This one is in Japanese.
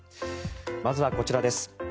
まずはこちらです。